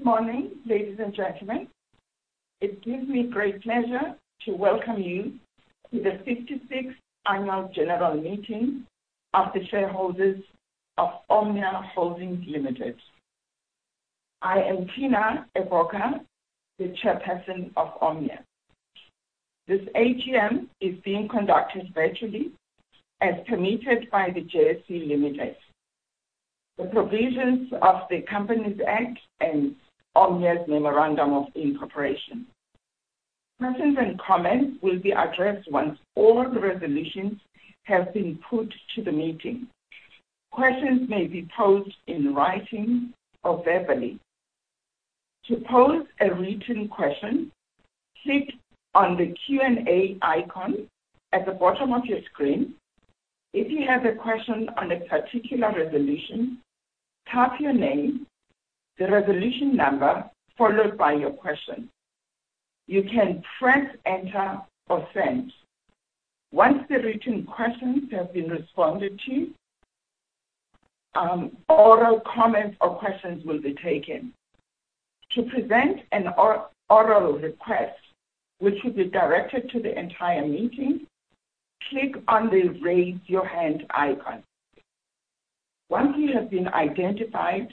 Good morning, ladies and gentlemen. It gives me great pleasure to welcome you to the 56th Annual General Meeting of the shareholders of Omnia Holdings Limited. I am Tina Eboka, the chairperson of Omnia. This AGM is being conducted virtually, as permitted by the JSE Limited, the provisions of the Companies Act and Omnia's Memorandum of Incorporation. Questions and comments will be addressed once all the resolutions have been put to the meeting. Questions may be posed in writing or verbally. To pose a written question, click on the Q&A icon at the bottom of your screen. If you have a question on a particular resolution, type your name, the resolution number, followed by your question. You can press Enter or Send. Once the written questions have been responded to, oral comments or questions will be taken. To present an oral request, which will be directed to the entire meeting, click on the Raise Your Hand icon. Once you have been identified,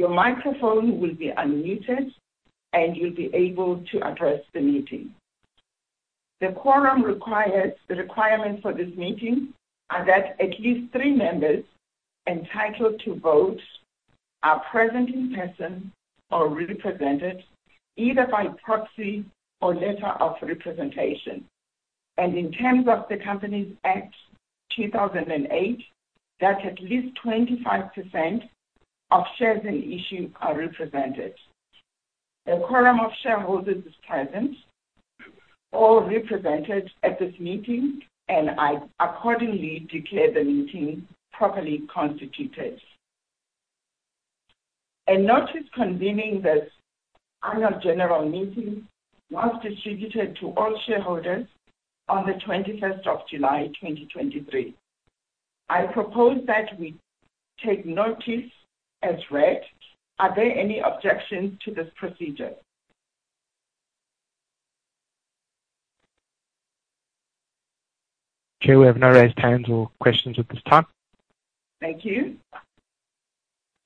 your microphone will be unmuted, and you'll be able to address the meeting. The requirements for this meeting are that at least three members entitled to vote are present in person or represented, either by proxy or letter of representation, and in terms of the Companies Act 2008, that at least 25% of shares in issue are represented. A quorum of shareholders is present or represented at this meeting, and I accordingly declare the meeting properly constituted. A notice convening this annual general meeting was distributed to all shareholders on the 21st of July, 2023. I propose that we take notice as read. Are there any objections to this procedure? Okay, we have no raised hands or questions at this time. Thank you.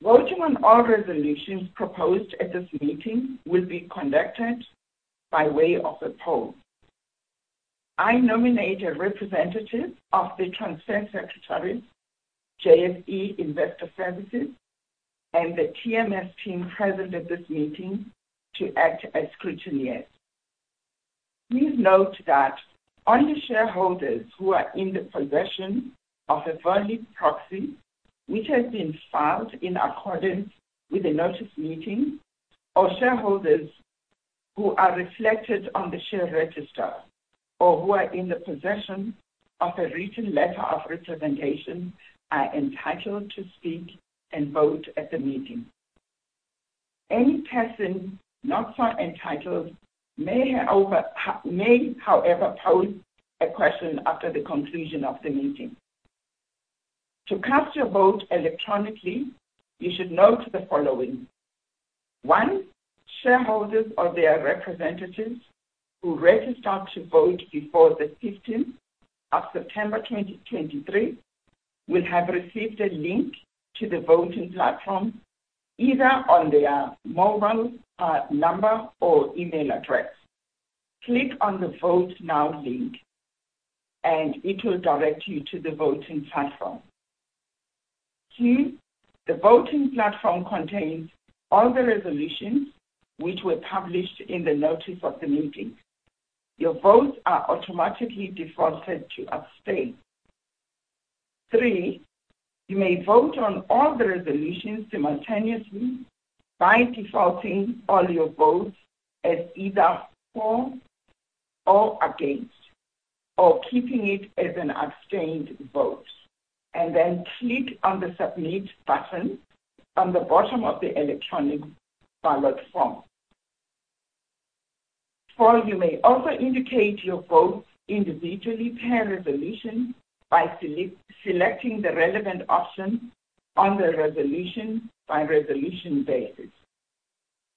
Voting on all resolutions proposed at this meeting will be conducted by way of a poll. I nominate a representative of the transfer secretary, JSE Investor Services, and the TMS SENS present at this meeting to act as scrutineers. Please note that only shareholders who are in the possession of a valid proxy, which has been filed in accordance with the notice meeting, or shareholders who are reflected on the share register or who are in the possession of a written letter of representation, are entitled to speak and vote at the meeting. Any person not so entitled may, however, pose a question after the conclusion of the meeting. To cast your vote electronically, you should note the following: 1, shareholders or their representatives who registered to vote before the fifteenth of September 2023, will have received a link to the voting platform, either on their mobile number or email address. Click on the Vote Now link, and it will direct you to the voting platform. 2, the voting platform contains all the resolutions which were published in the notice of the meeting. Your votes are automatically defaulted to abstain. 3, you may vote on all the resolutions simultaneously by defaulting all your votes as either for or against, or keeping it as an abstained vote, and then click on the Submit button on the bottom of the electronic ballot form. 4, you may also indicate your vote individually per resolution by selecting the relevant option on the resolution by resolution basis.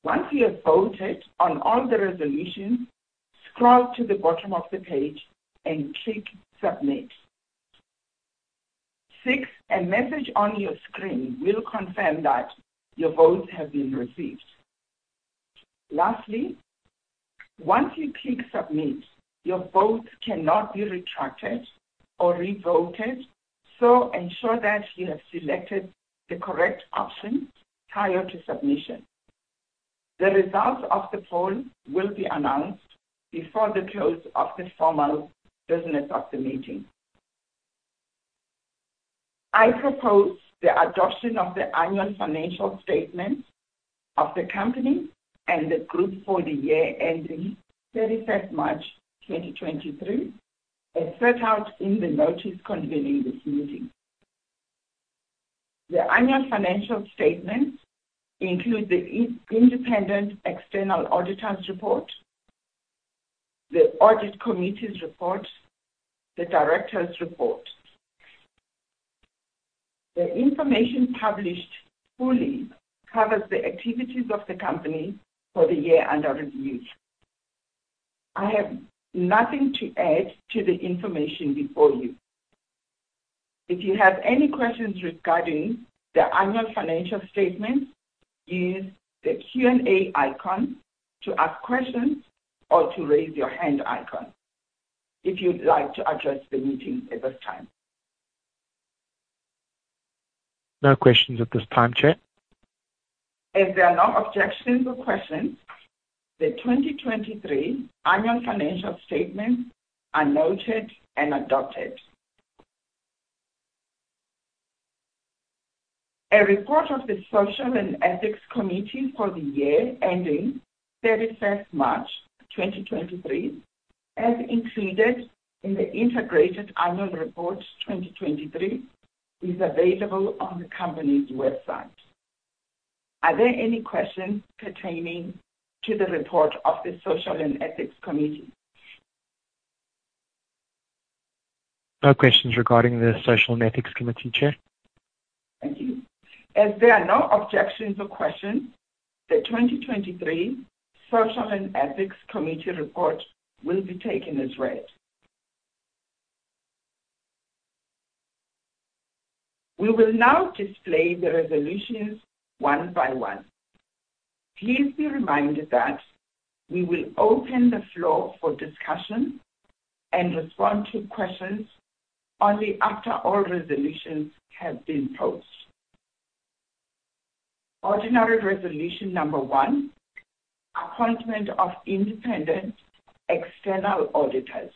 Once you have voted on all the resolutions, scroll to the bottom of the page and click Submit. A message on your screen will confirm that your votes have been received. Lastly, once you click Submit, your vote cannot be retracted or revoted, so ensure that you have selected the correct option prior to submission. The results of the poll will be announced before the close of the formal business of the meeting. I propose the adoption of the annual financial statements of the company and the group for the year ending 31 March 2023, as set out in the notice convening this meeting. The annual financial statements include the independent external auditor's report, the audit committee's report, the directors' report. The information published fully covers the activities of the company for the year under review. I have nothing to add to the information before you. If you have any questions regarding the annual financial statements, use the Q&A icon to ask questions or to raise your hand icon if you'd like to address the meeting at this time. No questions at this time, Chair. If there are no objections or questions, the 2023 annual financial statements are noted and adopted. A report of the Social and Ethics Committee for the year ending 31st March 2023, as included in the Integrated Annual Report 2023, is available on the company's website. Are there any questions pertaining to the report of the Social and Ethics Committee? No questions regarding the Social and Ethics Committee, Chair. Thank you. As there are no objections or questions, the 2023 Social and Ethics Committee report will be taken as read. We will now display the resolutions one by one. Please be reminded that we will open the floor for discussion and respond to questions only after all resolutions have been posed. Ordinary Resolution Number 1: Appointment of independent external auditors.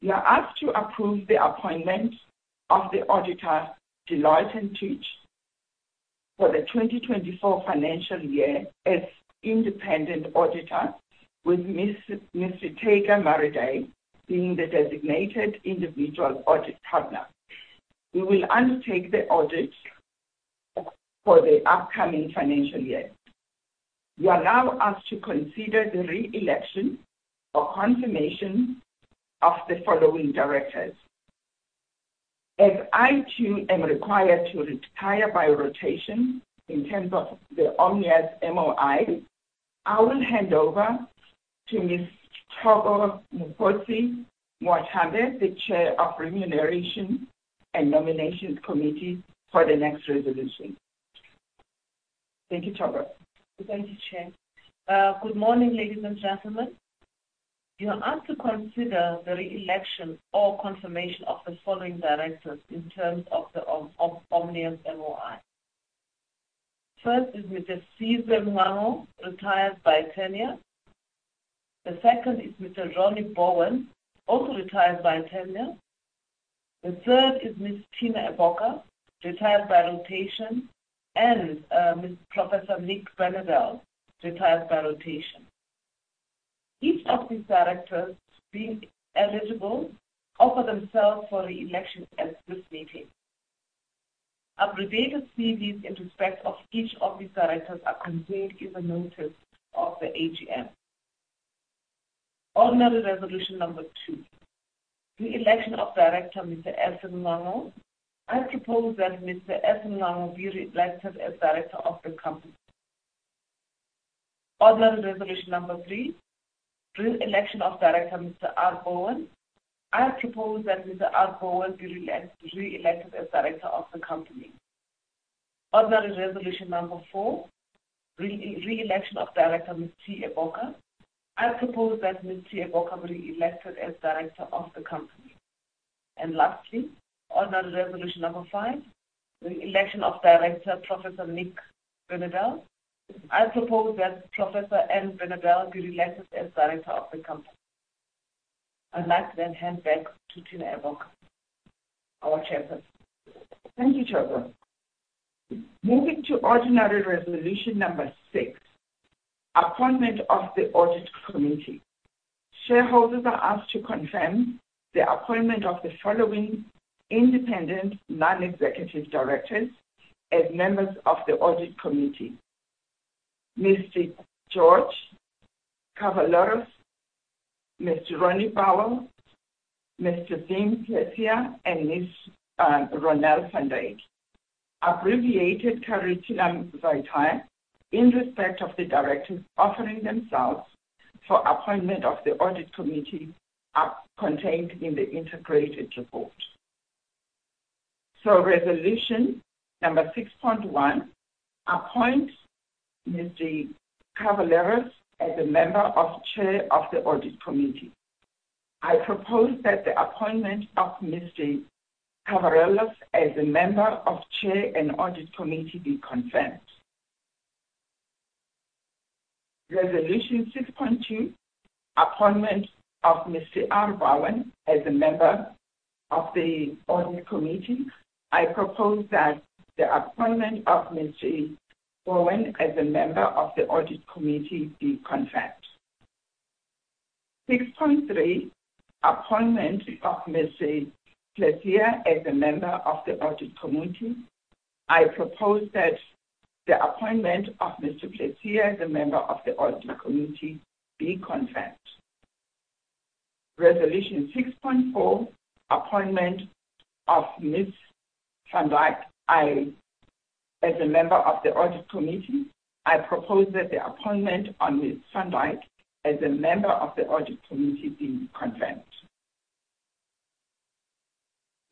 You are asked to approve the appointment of the auditor, Deloitte & Touche, for the 2024 financial year as independent auditor, with Mr. Tyrone Murray being the designated individual audit partner, who will undertake the audit for the upcoming financial year. You allow us to consider the re-election or confirmation of the following directors. As I, too, am required to retire by rotation in terms of the Omnia's MOI, I will hand over to Thoko Mokgosi-Mwantembe, the Chair of the Remuneration and Nominations Committee, for the next resolution. Thank you, Thabo. Thank you, Chair. Good morning, ladies and gentlemen. You are asked to consider the re-election or confirmation of the following directors in terms of Omnia's MOI. First is Mr. Sizwe Mncwango, retired by tenure. The second is Mr. Ronnie Bowen, also retired by tenure. The third is Miss Tina Eboka, retired by rotation, and Mr. Professor Nick Binedell, retired by rotation. Each of these directors, being eligible, offer themselves for re-election at this meeting. Abbreviated CVs in respect of each of these directors are contained in the notice of the AGM. Ordinary Resolution Number Two: Re-election of Director, Mr. Sizwe Mncwango. I propose that Mr. Sizwe Mncwango be re-elected as Director of the company. Ordinary Resolution Number Three: Re-election of Director, Mr. R. Bowen. I propose that Mr. R. Bowen be re-elected as Director of the company. Ordinary Resolution Number Four: Re-election of Director, Ms. T. Eboka. I propose that Ms. T. Eboka be re-elected as Director of the company. And lastly, Ordinary Resolution Number Five: Re-election of Director, Professor Nick Binedell. I propose that Professor N. Binedell be re-elected as Director of the company. I'd like to then hand back to Tina Eboka, our chairperson. Thank you, Thabo. Moving to Ordinary Resolution Number Six: Appointment of the Audit Committee. Shareholders are asked to confirm the appointment of the following independent non-executive directors as members of the Audit Committee: Mr. George Cavalleros, Mr. Ronnie Bowen, Ms. Lia de Beer, and Ms. Ronelle van Wyk. Abbreviated curriculum vitae in respect of the directors offering themselves for appointment of the Audit Committee are contained in the integrated report. Resolution Number Six point One: Appoint Mr. Cavalleros as a member of Chair of the Audit Committee. I propose that the appointment of Mr. Cavalleros as a member of Chair and Audit Committee be confirmed. Resolution Six point Two: Appointment of Mr. R. Bowen as a member of the Audit Committee. I propose that the appointment of Mr. Bowen as a member of the Audit Committee be confirmed. Six point Three: Appointment of. Ms. van Wyk as a member of the Audit Committee. I propose that the appointment of Ms. van Wyk as a member of the Audit Committee be confirmed....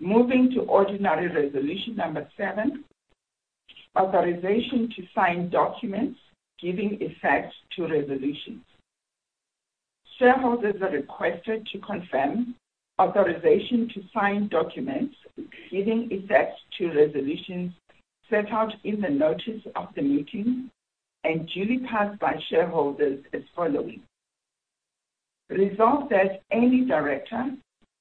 Resolution 6.4, appointment of Ms. de Beer, as a member of the Audit Committee. I propose that the appointment of Ms. de Beer as a member of the Audit Committee be confirmed. Moving to ordinary resolution number 7, authorization to sign documents giving effect to resolutions. Shareholders are requested to confirm authorization to sign documents giving effect to resolutions set out in the notice of the meeting and duly passed by shareholders as follows: Resolved that any director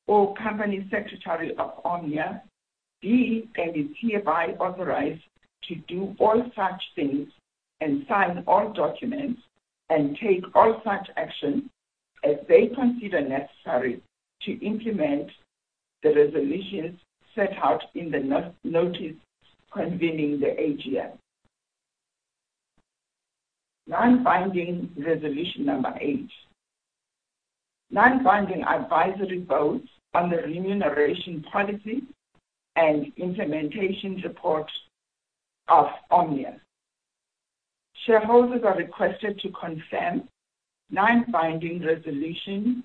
or company secretary of Omnia be, and is hereby authorized to do all such things and sign all documents and take all such actions as they consider necessary to implement the resolutions set out in the notice convening the AGM. Non-binding resolution number 8. Non-binding advisory votes on the remuneration policy and implementation report of Omnia. Shareholders are requested to confirm non-binding resolution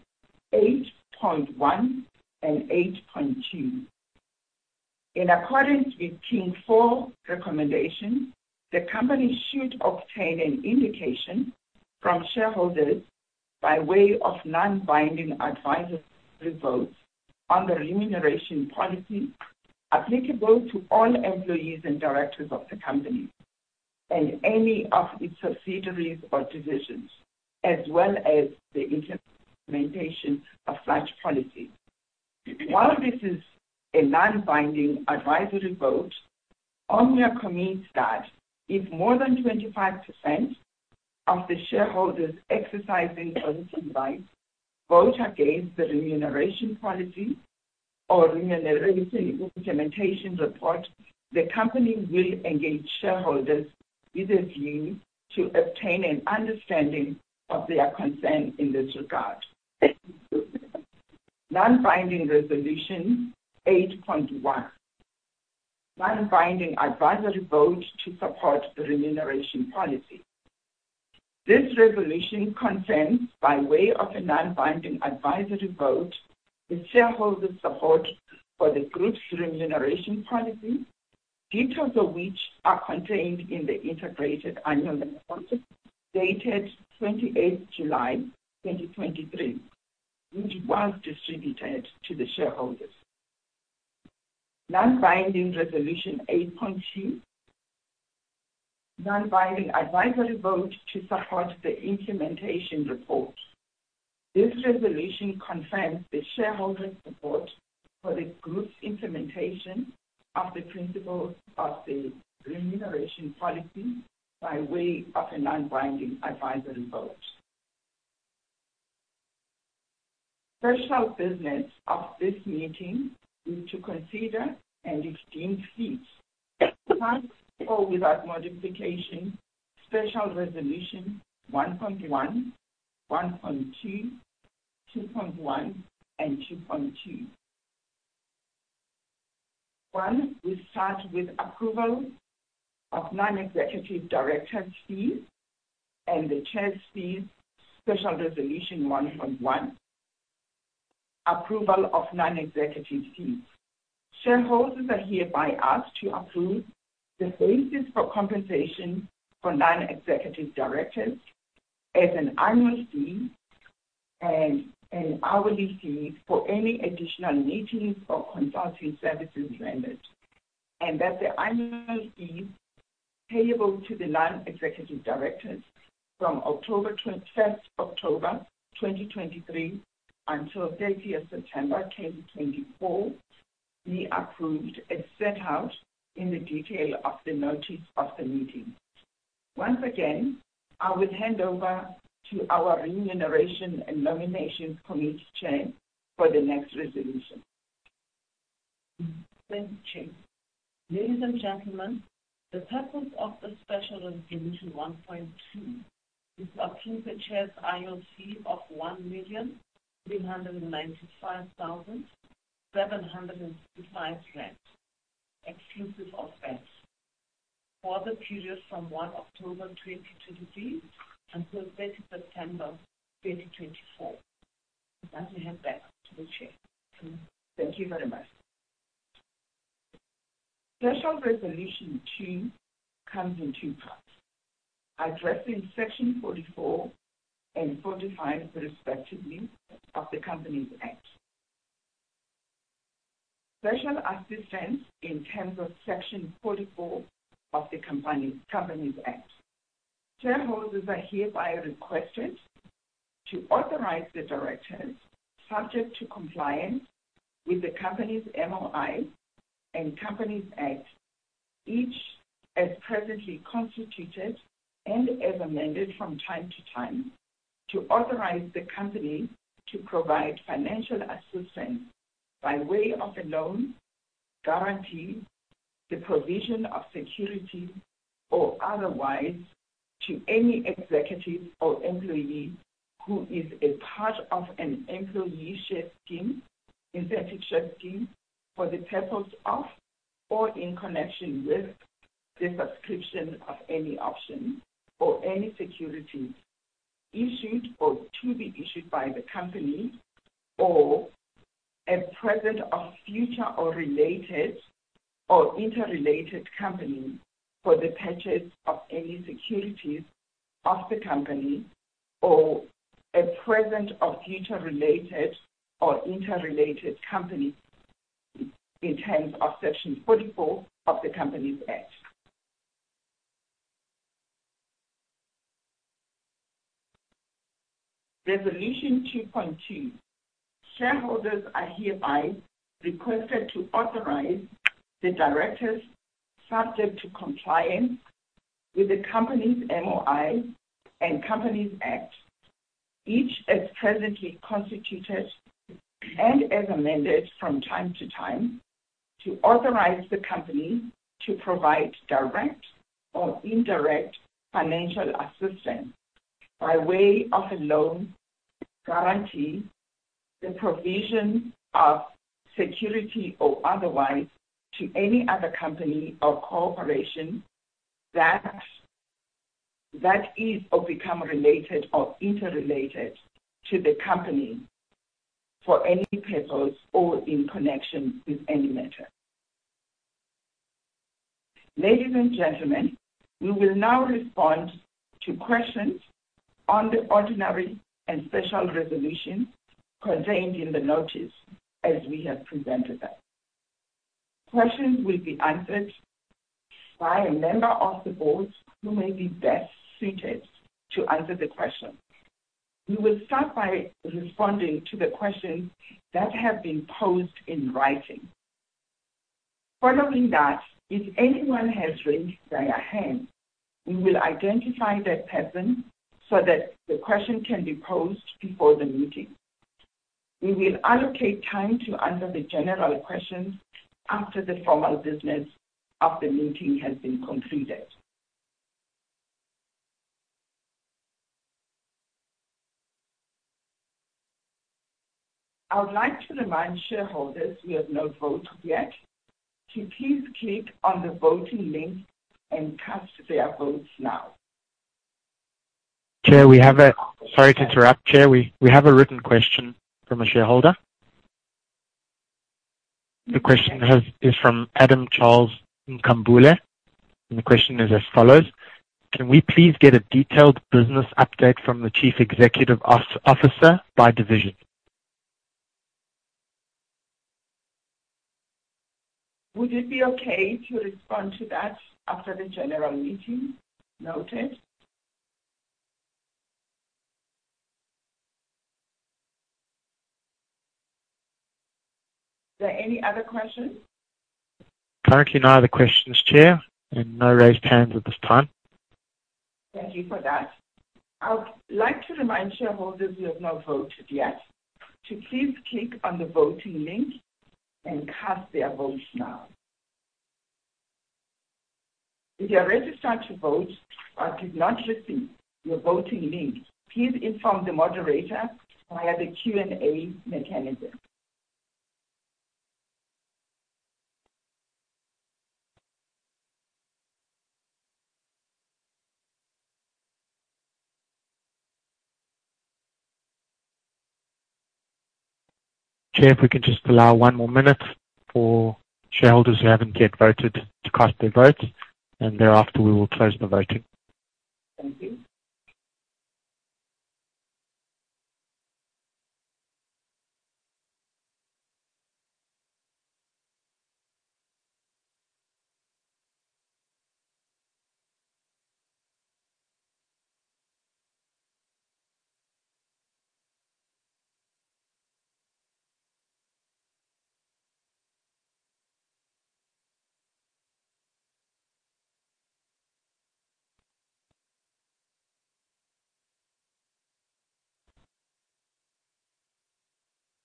8.1 and 8.2. In accordance with King IV recommendations, the company should obtain an indication from shareholders by way of non-binding advisory votes on the remuneration policy applicable to all employees and directors of the company, and any of its subsidiaries or divisions, as well as the implementation of such policy. While this is a non-binding advisory vote, Omnia commits that if more than 25% of the shareholders exercising voting rights vote against the remuneration policy or remuneration implementation report, the company will engage shareholders with the view to obtain an understanding of their concern in this regard. Non-binding resolution 8.1. Non-binding advisory vote to support the remuneration policy. This resolution confirms, by way of a non-binding advisory vote, the shareholders' support for the group's remuneration policy, details of which are contained in the Integrated Annual Report dated 28 July 2023, which was distributed to the shareholders. Non-binding resolution 8.2. Non-binding advisory vote to support the implementation report. This resolution confirms the shareholders' support for the group's implementation of the principles of the remuneration policy by way of a non-binding advisory vote. Special business of this meeting is to consider and extreme fees, with or without modification, special resolution 1.1, 1.2, 2.1, and 2.2. One, we start with approval of non-executive director fees and the chair fees, special resolution 1.1, approval of non-executive fees. Shareholders are hereby asked to approve the basis for compensation for non-executive directors as an annual fee and an hourly fee for any additional meetings or consulting services rendered, and that the annual fee payable to the non-executive directors from 1 October 2023 until 30 September 2024, be approved and set out in the detail of the notice of the meeting. Once again, I will hand over to our Remuneration and Nomination Committee chair for the next resolution. Thank you, Chair. Ladies and gentlemen, the purpose of the special resolution 1.2 is to approve the Chair's annual fee of ZAR 1,395,765, exclusive of VAT, for the period from 1 October 2023 until 30 September 2024. I now hand back to the Chair. Thank you very much. Special Resolution 2 comes in two parts, addressed in Section 44 and 45, respectively, of the Companies Act. Financial assistance in terms of Section 44 of the Companies, Companies Act. Shareholders are hereby requested to authorize the directors, subject to compliance with the company's MOI and Companies Act, each as presently constituted and as amended from time to time, to authorize the company to provide financial assistance by way of a loan-... guarantee the provision of security or otherwise to any executive or employee who is a part of an employee share scheme, incentive share scheme, for the purpose of, or in connection with, the subscription of any option or any securities issued or to be issued by the company, or a present or future or related or interrelated company, for the purchase of any securities of the company, or a present or future related or interrelated company in terms of Section 44 of the Companies Act. Resolution 2.2. Shareholders are hereby requested to authorize the directors, subject to compliance with the company's MOI and Companies Act, each as presently constituted and as amended from time to time, to authorize the company to provide direct or indirect financial assistance by way of a loan, guarantee, the provision of security or otherwise to any other company or corporation that is or become related or interrelated to the company for any purpose or in connection with any matter. Ladies and gentlemen, we will now respond to questions on the ordinary and special resolutions contained in the notice as we have presented them. Questions will be answered by a member of the board who may be best suited to answer the question. We will start by responding to the questions that have been posed in writing. Following that, if anyone has raised their hand, we will identify that person so that the question can be posed before the meeting. We will allocate time to answer the general questions after the formal business of the meeting has been concluded. I would like to remind shareholders we have not voted yet, to please click on the voting link and cast their votes now. Chair, we have a— Sorry to interrupt, Chair. We have a written question from a shareholder. The question is from Adam Charles Nkambule, and the question is as follows: "Can we please get a detailed business update from the chief executive officer by division? Would it be okay to respond to that after the general meeting notice? Are there any other questions? Currently, no other questions, Chair, and no raised hands at this time. Thank you for that. I would like to remind shareholders who have not voted yet to please click on the voting link and cast their votes now. If you are registered to vote but did not receive your voting link, please inform the moderator via the Q&A mechanism. Chair, if we can just allow one more minute for shareholders who haven't yet voted to cast their votes, and thereafter, we will close the voting. Thank you.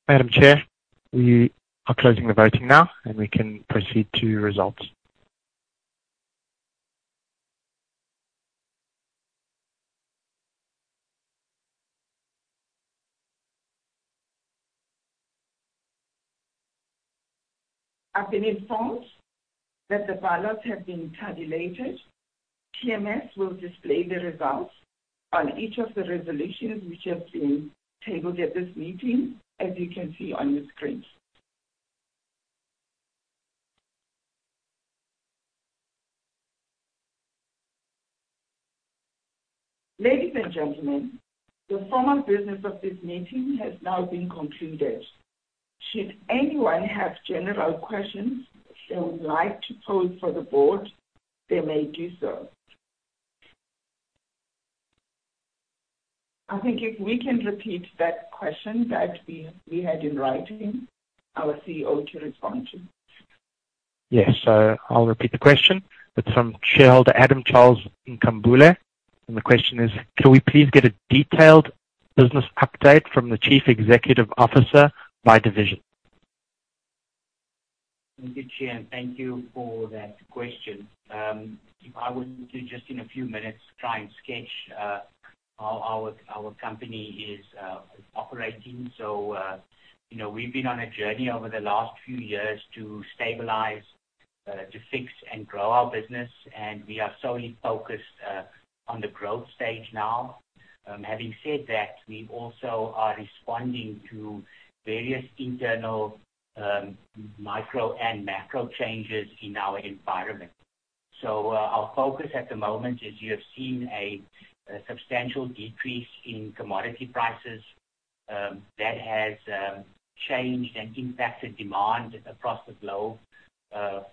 Madam Chair, we are closing the voting now, and we can proceed to results. I've been informed that the ballots have been tabulated. TMS will display the results on each of the resolutions which have been tabled at this meeting, as you can see on your screen. Ladies and gentlemen, the formal business of this meeting has now been concluded. Should anyone have general questions they would like to pose for the board, they may do so. I think if we can repeat that question that we had in writing, our CEO to respond to. Yes. So I'll repeat the question. It's from shareholder Adam Charles Nkambule. And the question is, can we please get a detailed business update from the Chief Executive Officer by division? Thank you, Chair, and thank you for that question. If I was to just in a few minutes try and sketch how our company is operating. So, you know, we've been on a journey over the last few years to stabilize, to fix and grow our business, and we are solely focused on the growth stage now. Having said that, we also are responding to various internal, micro and macro changes in our environment. So, our focus at the moment is you have seen a substantial decrease in commodity prices, that has changed and impacted demand across the globe,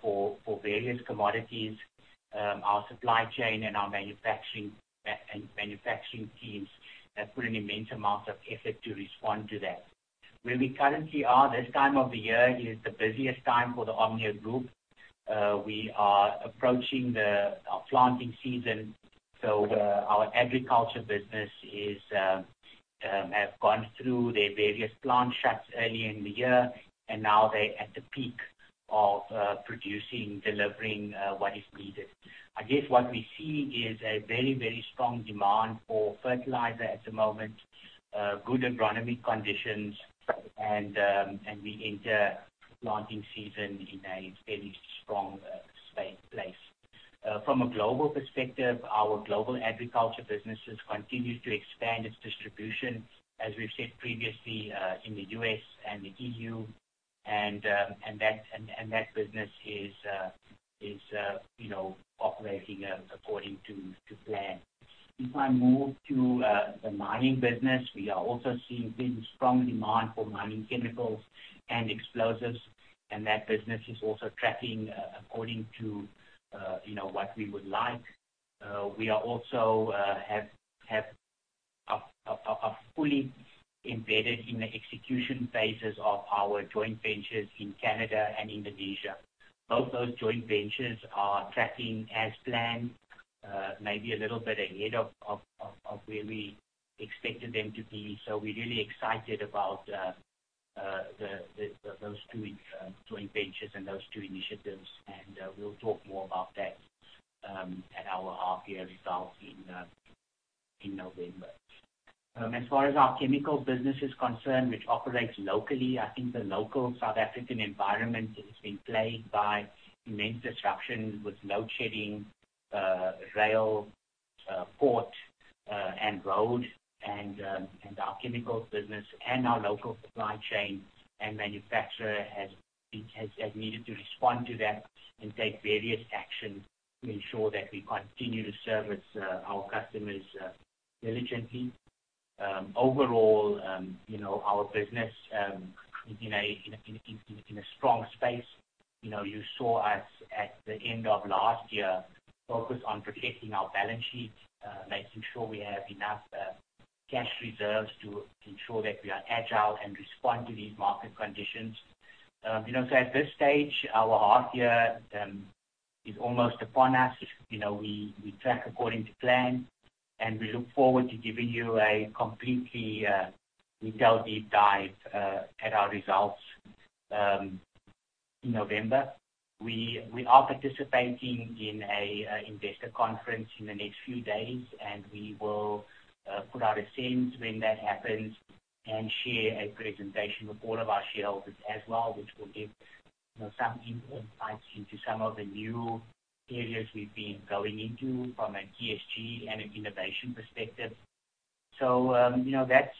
for various commodities. Our supply chain and our manufacturing teams have put an immense amount of effort to respond to that. Where we currently are, this time of the year is the busiest time for the Omnia Group. We are approaching our planting season, so our agriculture business has gone through the various plant shuts early in the year, and now they're at the peak of producing, delivering what is needed. I guess what we see is a very, very strong demand for fertilizer at the moment, good agronomic conditions, and we enter planting season in a very strong space, place. From a global perspective, our global agriculture businesses continues to expand its distribution, as we've said previously, in the US and the EU, and that business is, you know, operating according to plan. If I move to the mining business, we are also seeing pretty strong demand for mining chemicals and explosives, and that business is also tracking according to, you know, what we would like. We also have a fully embedded in the execution phases of our joint ventures in Canada and Indonesia. Both those joint ventures are tracking as planned, maybe a little bit ahead of where we expected them to be. We're really excited about those two joint ventures and those two initiatives, and we'll talk more about that at our half year results in November. As far as our chemical business is concerned, which operates locally, I think the local South African environment has been plagued by immense disruption, with load shedding, rail, port, and road, and our chemicals business and our local supply chain, and manufacturer has been, has needed to respond to that and take various actions to ensure that we continue to service our customers diligently. Overall, you know, our business is in a strong space. You know, you saw us at the end of last year focus on protecting our balance sheet, making sure we have enough cash reserves to ensure that we are agile and respond to these market conditions. You know, at this stage, our half year is almost upon us. You know, we track according to plan, and we look forward to giving you a completely detailed deep dive at our results in November. We are participating in an investor conference in the next few days, and we will put out a SENS when that happens and share a presentation with all of our shareholders as well, which will give, you know, some insights into some of the new areas we've been going into from a ESG and an innovation perspective. So, you know, that's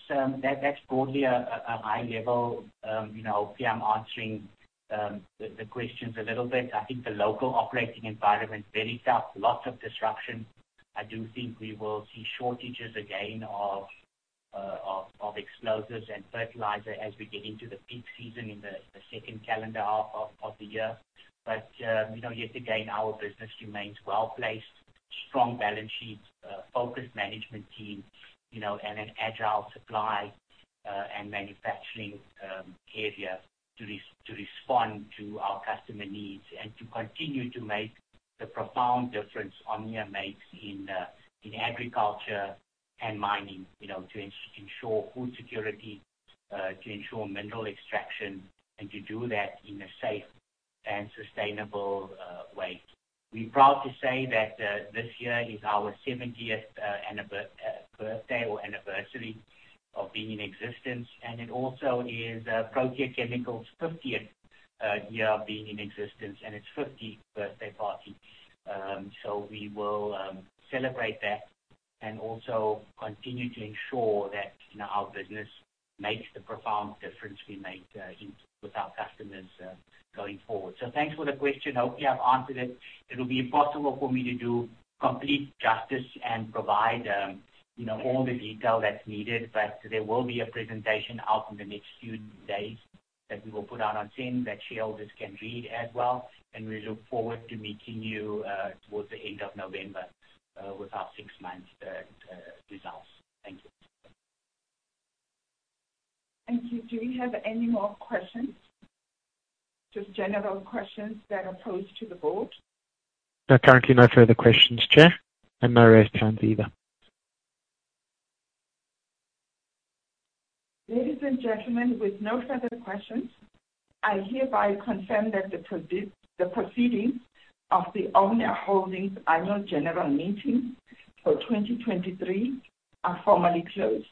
broadly a high level, you know, hopefully I'm answering the questions a little bit. I think the local operating environment, very tough, lots of disruption. I do think we will see shortages again of explosives and fertilizer as we get into the peak season in the second calendar half of the year. But you know, yet again, our business remains well-placed, strong balance sheets, focused management team, you know, and an agile supply and manufacturing area to respond to our customer needs and to continue to make the profound difference Omnia makes in agriculture and mining, you know, to ensure food security, to ensure mineral extraction, and to do that in a safe and sustainable way. We're proud to say that this year is our seventieth anniversary or birthday of being in existence, and it also is Protea Chemicals' fiftieth year of being in existence, and its fiftieth birthday party. So we will celebrate that and also continue to ensure that, you know, our business makes the profound difference we make, in with our customers, going forward. So thanks for the question. Hope you have answered it. It will be impossible for me to do complete justice and provide, you know, all the detail that's needed, but there will be a presentation out in the next few days that we will put out on team that shareholders can read as well, and we look forward to meeting you, towards the end of November, with our six-month results. Thank you. Thank you. Do we have any more questions? Just general questions that are posed to the board. There are currently no further questions, Chair, and no raised hands either. Ladies and gentlemen, with no further questions, I hereby confirm that the proceedings of the Omnia Holdings Annual General Meeting for 2023 are formally closed.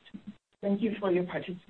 Thank you for your participation.